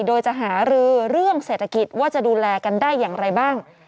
โดยจะหารือเรื่องเศรษฐกิจว่าจะดูแลกันได้อย่างไรบ้าง